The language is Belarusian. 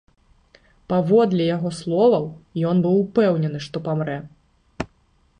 Паводле яго словаў, ён быў упэўнены, што памрэ.